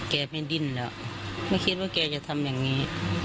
แกไม่ดิ้นแล้วไม่คิดว่าแกจะทำอย่างนี้